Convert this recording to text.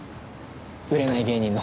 売れない芸人の。